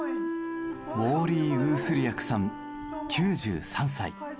ウォーリー・ウースリアクさん９３歳。